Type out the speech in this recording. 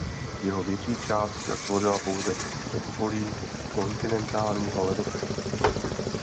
Jeho větší část však tvořila pouze předpolí kontinentálního ledovce.